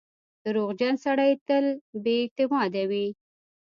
• دروغجن سړی تل بې اعتماده وي.